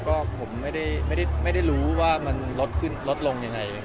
ก็ผมไม่ได้รู้ว่ามันลดลงยังไง